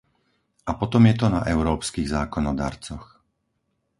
A potom je to na európskych zákonodarcoch.